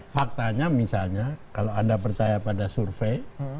faktanya misalnya kalau anda percaya pada survei